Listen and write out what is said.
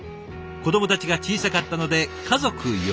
子どもたちが小さかったので家族４人で。